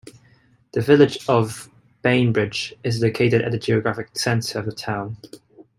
The village of Bainbridge is located at the geographic center of the town.